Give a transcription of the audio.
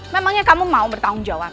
memangnya kamu mau bertanggung jawab